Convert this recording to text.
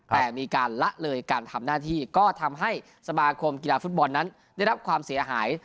แต่มีการละเลยการทำหน้าที่ก็ทำให้สมาคมกีฬาฟุตบอลนั้นได้รับความเสียหาย